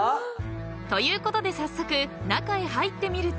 ［ということで早速中へ入ってみると］